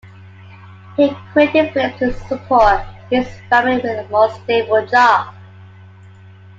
He quit In Flames to support his family with a more stable job.